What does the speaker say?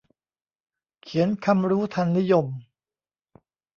เขียนคำรู้ทันนิยม